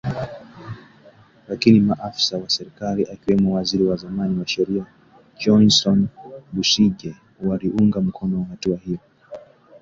lakini maafisa wa serikali akiwemo waziri wa zamani wa sheria Johnston Busingye waliunga mkono hatua hiyo